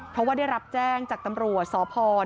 เพราะว่าได้รับแจ้งจากตำรวจสพ